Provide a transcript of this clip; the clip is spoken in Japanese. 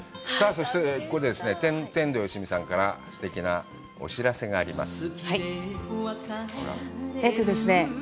そしてここで天童よしみさんからすてきなお知らせがあります。